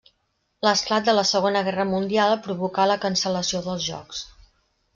L'esclat de la Segona Guerra Mundial provocà la cancel·lació dels Jocs.